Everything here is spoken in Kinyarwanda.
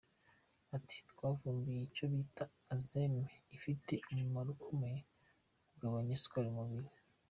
Ati “Twavumbuye icyo bita «enzyme» ifite umumaro ukomeye mu kugabanya isukari mu mubiri.